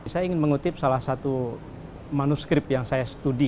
saya ingin mengutip salah satu manuskrip yang saya studi